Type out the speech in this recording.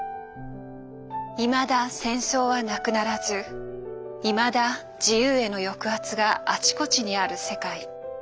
いまだ戦争はなくならずいまだ自由への抑圧があちこちにある世界。